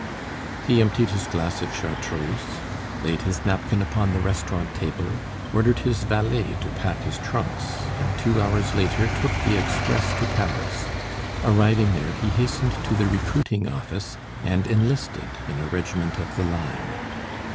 He emptied his glass of chartreuse, laid his napkin upon the restaurant table, ordered his valet to pack his trunks, and two hours later took the express to Paris; arriving there, he hastened to the recruiting office and enlisted in a regiment of the line.